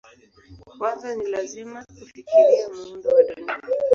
Kwanza ni lazima kufikiria muundo wa Dunia.